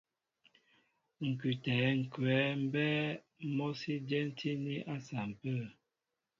Ŋ̀kʉtɛ̌ ŋ̀kwɛ̌ mbɛ́ɛ́ mɔ́ sí dyɛ́tíní à sampə̂.